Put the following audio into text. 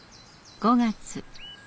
５月。